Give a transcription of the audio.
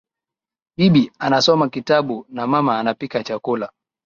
Bibi anasoma kitabu na mama anapika chakula.